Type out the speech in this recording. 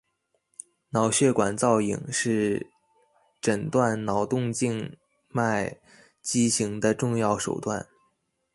脑血管造影是诊断脑动静脉畸形的重要手段。